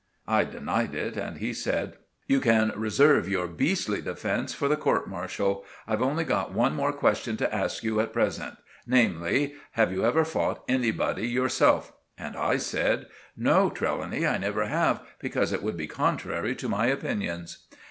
I denied it, and he said, "You can reserve your beastly defence for the court martial. I've only got one more question to ask you at present, namely, Have you ever fought anybody yourself?" And I said— "No, Trelawny, I never have, because it would be contrary to my opinions."